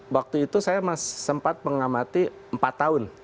waktu itu saya sempat mengamati empat tahun